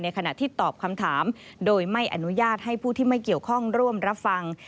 ขณะที่ตอบคำถามโดยไม่อนุญาตให้ผู้ที่ไม่เกี่ยวข้องร่วมรับฟัง